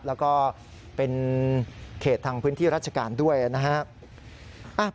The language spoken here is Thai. แล้วก็เป็นเขตทางพื้นที่ราชการด้วยนะครับ